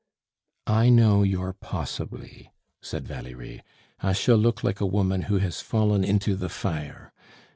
"I know your possibly," said Valerie. "I shall look like a woman who has fallen into the fire!